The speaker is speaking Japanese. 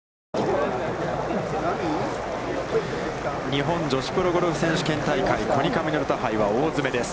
日本女子プロゴルフ選手権大会コニカミノルタ杯は大詰めです。